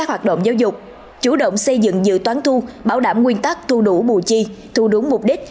hoạt động giáo dục chủ động xây dựng dự toán thu bảo đảm nguyên tắc thu đủ bù chi thu đúng mục đích